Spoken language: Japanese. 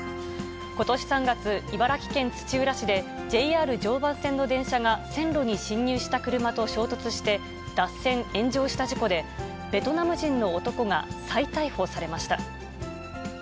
ことし３月、茨城県土浦市で、ＪＲ常磐線の電車が線路に進入した車と衝突して、脱線、炎上した事故で、ベトナム人の男が再逮捕されました。